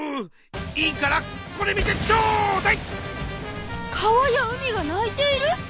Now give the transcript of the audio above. いいからこれ見てちょうだい！